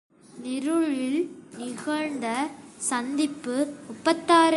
இருளில் நிகழ்ந்த சந்திப்பு முப்பத்தாறு.